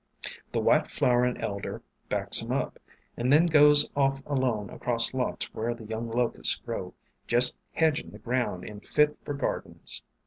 The White flowerin' Elder backs 'em up, and then goes off alone across lots where the young Locusts grow, jest hedgin' the ground in fit for gardins.